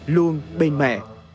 luôn bên mẹ